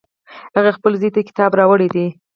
هغې خپل زوی ته کتاب راوړی ده